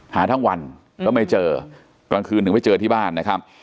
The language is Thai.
หาทั้งวันก็ไม่เจอกลางคืนถึงไม่เจอที่บ้านนะครับ